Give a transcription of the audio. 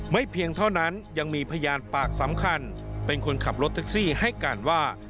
เพียงเท่านั้นยังมีพยานปากสำคัญเป็นคนขับรถแท็กซี่ให้การว่า